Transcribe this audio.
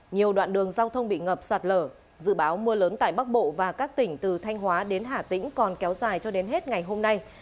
nhiều đoạn đường giao thông bị ngập sạt lở dự báo mưa lớn tại bắc bộ và các tỉnh từ thanh hóa đến hà tĩnh còn kéo dài cho đến hết ngày hôm nay